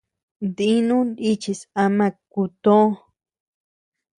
Dinu nichis ama kú töo.